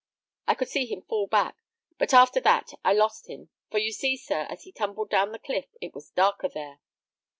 I could see him fall back, but after that I lost him, for you see, sir, as he tumbled down the cliff, it was darker there.